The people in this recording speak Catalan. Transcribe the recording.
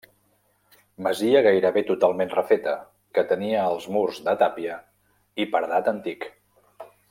Masia gairebé totalment refeta, que tenia els murs de tàpia i paredat antic.